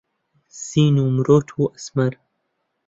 زین و مرۆت و ئەسمەر